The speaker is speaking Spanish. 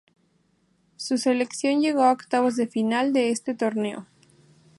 Su selección llegó a octavos de final de ese torneo.